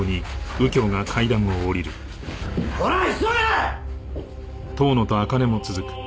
おら急げ！